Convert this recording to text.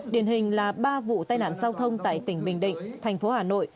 điển hình là ba vụ tai nạn giao thông tại tỉnh bình định thành phố hà nội